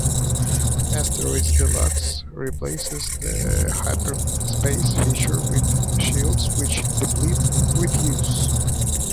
"Asteroids Deluxe" replaces the hyperspace feature with shields which deplete with use.